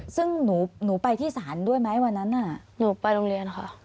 ซึ่งหนูไปที่ศาลด้วยไหมวันนั้นน่ะหนูไปโรงเรียนค่ะ